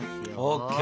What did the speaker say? ＯＫ！